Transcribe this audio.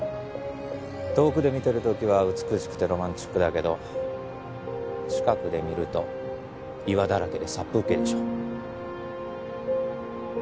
遠くで見てる時は美しくてロマンチックだけど近くで見ると岩だらけで殺風景でしょ？